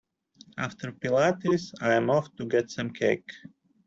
After pilates, I’m off to get some cake.